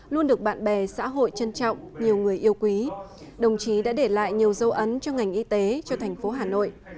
luôn được bạn bè xã hội trân trọng nhiều người yêu quý đồng chí đã để lại nhiều dấu ấn cho ngành y tế cho thành phố hà nội